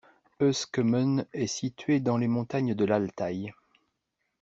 Öskemen est située dans les montagnes de l'Altaï.